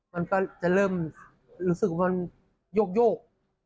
มันก็จะเริ่มรู้สึกว่ามันโยก